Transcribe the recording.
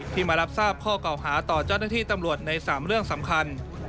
มารับทราบข้อเก่าหาต่อเจ้าหน้าที่ตำรวจใน๓เรื่องสำคัญ